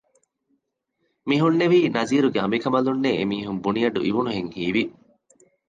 މިހުންނެވީ ނަޒީރުގެ އަނބިކަންބަލުންނޭ އެމީހުން ބުނި އަޑު އިވުނުހެން ހީވި